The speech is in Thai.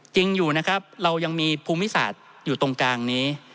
จริงอยู่นะครับเรายังมีภูมิศาสตร์อยู่ตรงกลางนี้